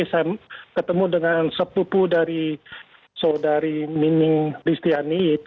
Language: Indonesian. saya ketemu dengan sepupu dari soedari miming listiani